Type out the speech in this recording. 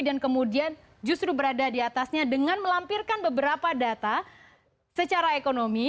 dan kemudian justru berada diatasnya dengan melampirkan beberapa data secara ekonomi